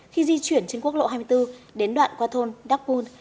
khi di chuyển trên quốc lộ hai mươi bốn đến đoạn qua thôn đắk pun